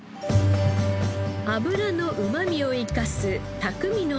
脂のうまみを生かす匠の技。